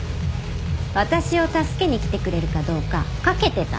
私を助けに来てくれるかどうか賭けてたの